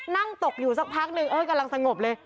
นั่งตกอยู่สักพักนึงกำลังสงบเลย